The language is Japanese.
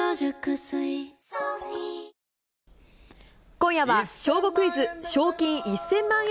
今夜は、小５クイズ賞金１０００万円